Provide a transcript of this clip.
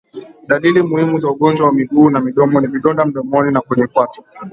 Dalili muhimu za ugonjwa wa miguu na midomo ni vidonda mdomoni na kwenye kwato